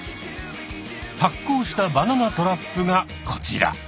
発酵したバナナトラップがこちら。